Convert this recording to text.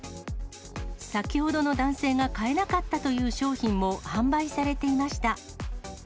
先ほどの男性が買えなかったという商品も販売されていました。